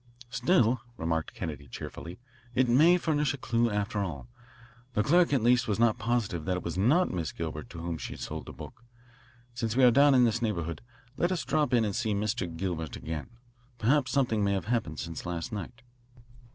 "Still," remarked Kennedy cheerfully, "it may furnish a clue, after all. The clerk at least was not positive that it was not Miss Gilbert to whom she sold the book. Since we are down in this neighbourhood, let us drop in and see Mr. Gilbert again. Perhaps something may have happened since last night."